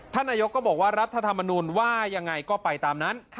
นายกก็บอกว่ารัฐธรรมนุนว่ายังไงก็ไปตามนั้น